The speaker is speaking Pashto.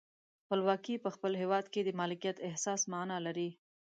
خپلواکي په خپل هیواد کې د مالکیت احساس معنا لري.